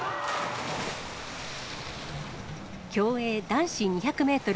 競泳男子２００メートル